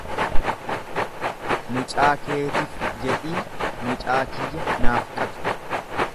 Mucaa keetif jedhii mucaa kiyya naaf qabi.